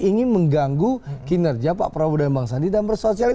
ingin mengganggu kinerja pak prabowo dan bang sandi dan bersosialisasi